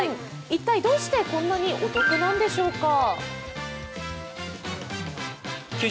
一体どうしてこんなにお得なのでしょうか？